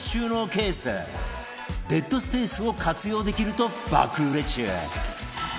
デッドスペースを活用できると爆売れ中